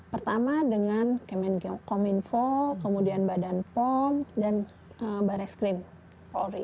pertama dengan kemenkionkominfo kemudian badan pom dan baris krim polri